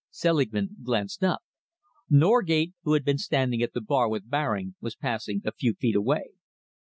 Selingman glanced up. Norgate, who had been standing at the bar with Baring, was passing a few feet away.